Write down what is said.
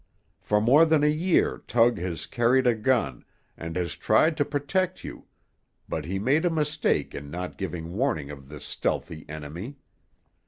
For more than a year Tug has carried a gun, and has tried to protect you; but he made a mistake in not giving warning of this stealthy enemy.